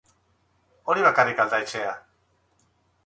Hori bakarrik al da etxea?